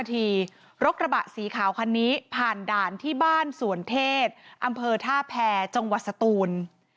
รถกระบะสีขาวคันนี้ผ่านด่านที่บ้านสวนเทศอำเภอท่าแพรจังหวัดสตูน